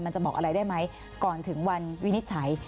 จะบอกอะไรได้ไหมก่อนถึงวันวินิจฉัย